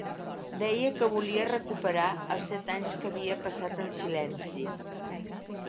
Deia que volia recuperar els set anys que havia passat en silenci.